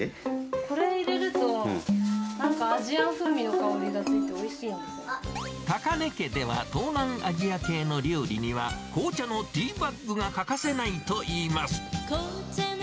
これ入れると、なんかアジアン風味の香りがついておいしいん高根家では、東南アジア系の料理には、紅茶のティーバッグが欠かせないといいます。